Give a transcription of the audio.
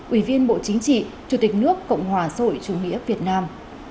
ủy viên bộ chính trị chủ tịch nước cộng hòa rồi chủ nghĩa việt nam